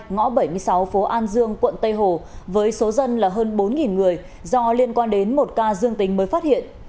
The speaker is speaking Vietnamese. ngõ bảy mươi sáu phố an dương quận tây hồ với số dân là hơn bốn người do liên quan đến một ca dương tính mới phát hiện